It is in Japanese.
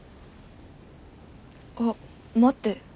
あっ待って。